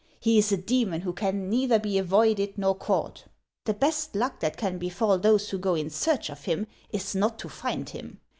He is a demon who can neither be avoided nor caught ; the best luck that can befall those who go in search of him is not to find him.